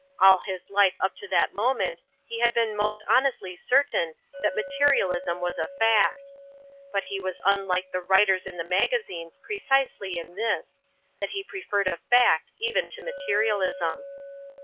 All his life up to that moment he had been most honestly certain that materialism was a fact. But he was unlike the writers in the magazines precisely in this that he preferred a fact even to materialism.